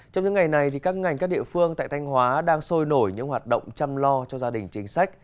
trong những ngày này các ngành các địa phương tại thanh hóa đang sôi nổi những hoạt động chăm lo cho gia đình chính sách